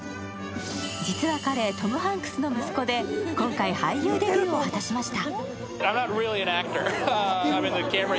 実は彼、トム・ハンクスの息子で今回、俳優デビューを果たしました。